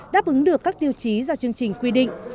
đáp ứng được các tiêu chí do chương trình quy định